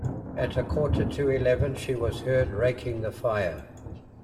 At a quarter to eleven she was heard raking the fire.